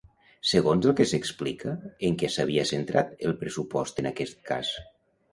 Segons el que s'explica, en què s'havia centrat el pressupost en aquest cas?